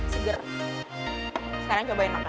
seger sekarang cobain makan